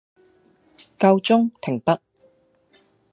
夠鐘，停筆